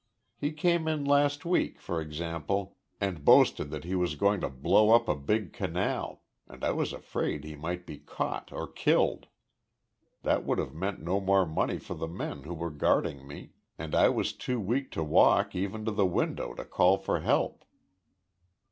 He came in last week, for example, and boasted that he was going to blow up a big canal and I was afraid he might be caught or killed. That would have meant no more money for the men who were guarding me and I was too weak to walk even to the window to call for help...."